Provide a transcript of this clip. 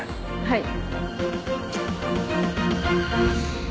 はい。